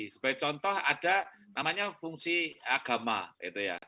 sebagai contoh ada namanya fungsi agama gitu ya